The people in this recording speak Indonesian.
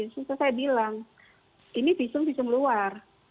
selesai bilang ini visum visum luar